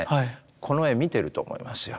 この絵見てると思いますよ。